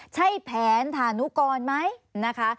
ใช่แผนฐานุกรไหมนะคะ